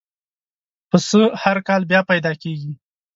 پسه هر کال بیا پیدا کېږي.